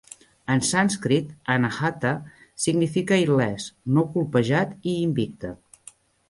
En sanskrit, "anahata" significa "il·lès, no colpejat i invicte".